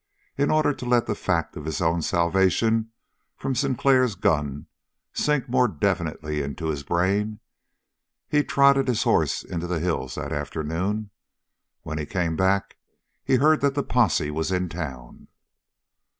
In order to let the fact of his own salvation from Sinclair's gun sink more definitely into his brain, he trotted his horse into the hills that afternoon. When he came back he heard that the posse was in town.